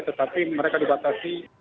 tetapi mereka dibatasi